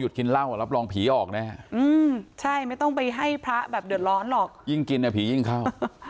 หยุดกินเหล้าอ่ะรับรองผีออกแน่ใช่ไม่ต้องไปให้พระแบบเดือดร้อนหรอกยิ่งกินผียิ่งเข้า